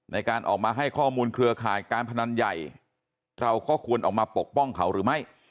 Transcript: ในการออกมาให้ข้อมูลเครือข่ายการพนันใหญ่เราก็ควรออกมาปกป้องเขาหรือไม่